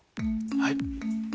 はい。